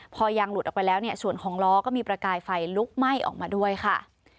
พอยางหลุดออกไปแล้วเนี่ยส่วนของล้อก็มีประกายไฟลุกไหม้ออกมาด้วยค่ะ